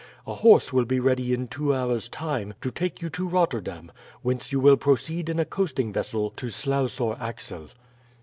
A horse will be ready in two hours time to take you to Rotterdam, whence you will proceed in a coasting vessel to Sluys or Axel."